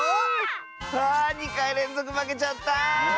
あ２かいれんぞくまけちゃった。